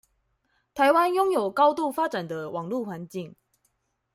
臺灣擁有高度發展的網路環境